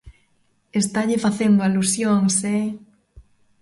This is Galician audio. Estalle facendo alusións, ¡eh!